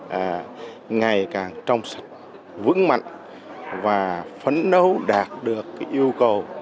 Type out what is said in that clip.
và ngày càng trong sạch vững mạnh và phấn đấu đạt được yêu cầu